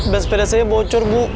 bes sepeda saya bocor bu